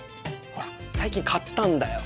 ほら最近買ったんだよ。